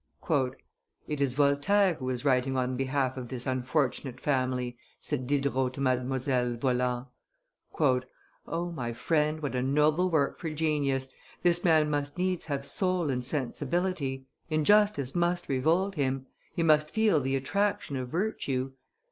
"It is Voltaire who is writing on behalf of this unfortunate family," said Diderot to Mdlle. Voland: "O, my friend, what a noble work for genius! This man must needs have soul and sensibility; injustice must revolt him; he must feel the attraction of virtue.